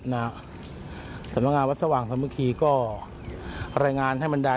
นะสำหรับงานวัหสวรรค์เพราะเมื่อกี้ก็รายงานให้บรรดา